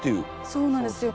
そうなんですよ。